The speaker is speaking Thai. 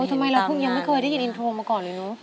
ทำไมเราเพิ่งยังไม่เคยได้ยินอินโทรมาก่อนเลยเนอะ